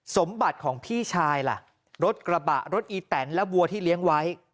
สมบัติของพี่ชายล่ะรถกระบะรถอีแตนและวัวที่เลี้ยงไว้